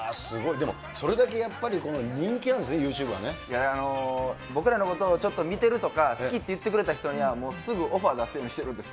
でもそれだけやっぱり人気なんですね、ユーチュ僕らのことをちょっと見てるとか、好きって言ってくれた人には、もう、すぐオファー出すようにしてるんです。